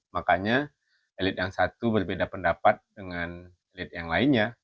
makanya elit yang satu berbeda pendapat dengan elit yang lainnya